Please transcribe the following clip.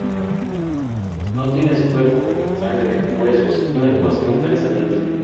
No tienes cuerpo, sangre, huesos, no eres más que un pensamiento.